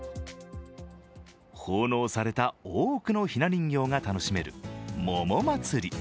奉納された多くのひな人形が楽しめる桃まつり。